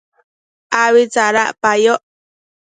abi tsadacpayoc